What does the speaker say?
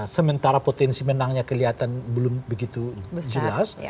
sementara potensi menangnya kelihatan belum begitu jelas